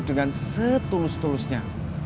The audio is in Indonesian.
dengan cara tulus tulusnya